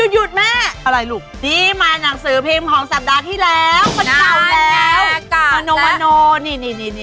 ยุดแม่มาหนังสือพิมพ์ของสัปดาห์ที่แล้วมันเก่าแล้วมาโนนี่